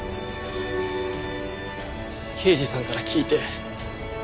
刑事さんから聞いて。